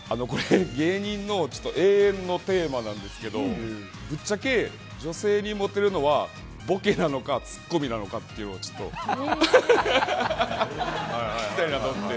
芸人の永遠のテーマなんですけどぶっちゃけ、女性にモテるのはボケなのかツッコミなのかというのを聞きたいなと思って。